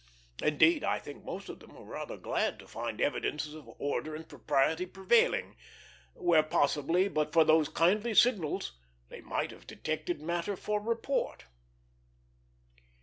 Indeed, I think most of them were rather glad to find evidences of order and propriety prevailing, where possibly but for those kindly signals they might have detected matter for report.